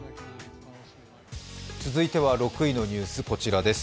続いては６位のニュース、こちらです。